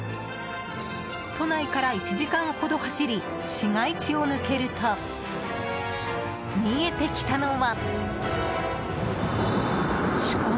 都内から１時間ほど走り市街地を抜けると見えてきたのは。